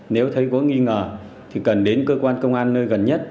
nếu thấy có nghi ngờ thì cần đến cơ quan công an nơi gần nhất